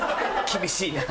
厳しいな。